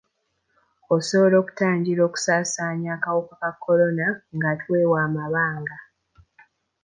Osobola okutangira okusasaanya akawuka ka kolona nga twewa amabanga.